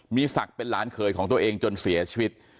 มีศักดิ์เป็นหลานเขยของตัวเองจนเสียชีวิต